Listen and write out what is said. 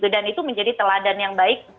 dan itu menjadi teladan yang baik